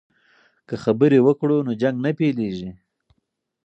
که خبرې وکړو نو جنګ نه پیلیږي.